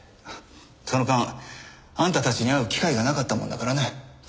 その間あんたたちに会う機会がなかったもんだからね。